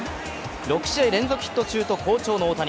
６試合連続ヒット中と好調の大谷。